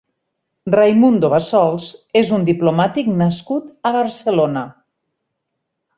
Raimundo Bassols és un diplomàtic nascut a Barcelona.